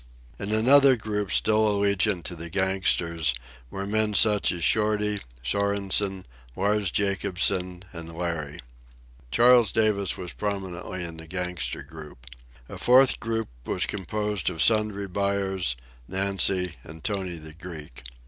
In another group, still allegiant to the gangsters, were men such as Shorty, Sorensen, Lars Jacobsen, and Larry. Charles Davis was prominently in the gangster group. A fourth group was composed of Sundry Buyers, Nancy, and Tony the Greek.